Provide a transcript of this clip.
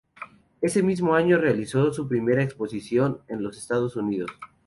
Ese mismo año realizó su primera exposición en los Estados Unidos.